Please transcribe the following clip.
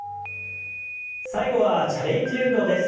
最後はチャレンジ運動です。